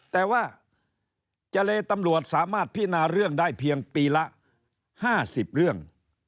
แต่ว่าเจรตำรวจสามารถพินาเรื่องได้เพียงปีละ๕๐เรื่อง